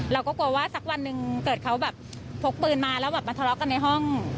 เราก็กลัวว่าสักวันหนึ่งเกิดเขาแบบพกปืนมาแล้วแบบมาทะเลาะกันในห้อง